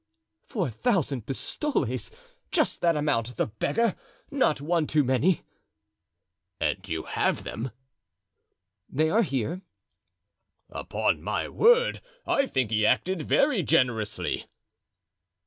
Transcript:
"For a thousand pistoles—just that amount, the beggar; not one too many." "And you have them?" "They are here." "Upon my word, I think he acted very generously."